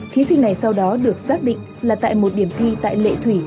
thí sinh này sau đó được xác định là tại một điểm thi tại lệ thủy